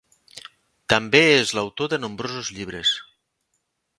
També és l'autor de nombrosos llibres.